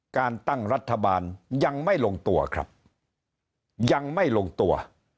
การตั้งรัฐบาลยังไม่ลงตัวครับยังไม่ลงตัว